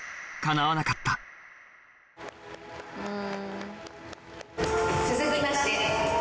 うん。